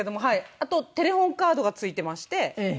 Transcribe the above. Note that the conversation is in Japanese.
あとテレホンカードが付いてまして紙の。